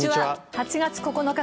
８月９日、